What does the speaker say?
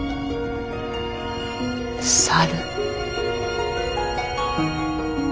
猿。